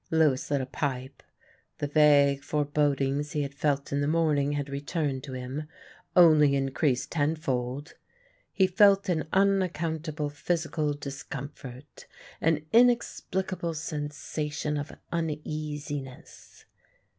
Lewis lit a pipe; the vague forebodings he had felt in the morning had returned to him, only increased tenfold. He felt an unaccountable physical discomfort, an inexplicable sensation of uneasiness.